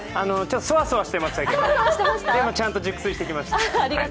そわそわしてましたけど、でもちゃんと熟睡してきました。